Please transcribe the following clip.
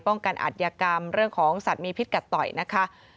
กันอัธยากรรมเรื่องของสัตว์มีพิษกัดต่อยนะคะ